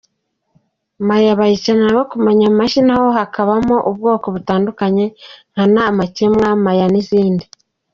Maya : bayikina bakomanya amashyi naho hakabamo ubwoko butandukanye nka ntamakemwa, maya,.